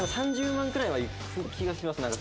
３０万くらいはいく気がします